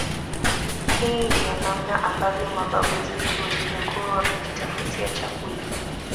Hii ndio namna ambavyo mababu zetu walivyokuwa wakijitafutia chakula